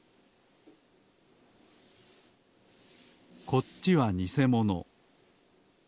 こっちはにせもの。